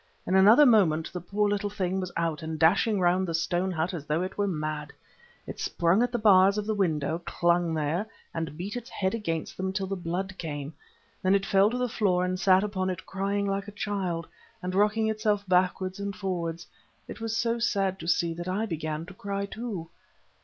In another moment the poor little thing was out and dashing round the stone hut as though it were mad. It sprung at the bars of the window, clung there, and beat its head against them till the blood came. Then it fell to the floor, and sat upon it crying like a child, and rocking itself backwards and forwards. It was so sad to see it that I began to cry too.